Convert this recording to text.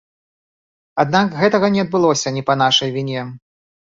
Аднак гэтага не адбылося не па нашай віне.